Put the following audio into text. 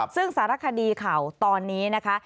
ซึ่งสารคดีเข่าตอนนี้นะคะ